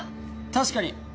確かに！